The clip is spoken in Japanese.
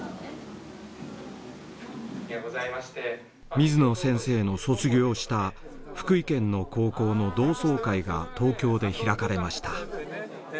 水野先生の卒業した福井県の高校の同窓会が東京で開かれました。